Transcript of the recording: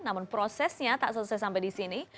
namun prosesnya tak selesai sampai di sini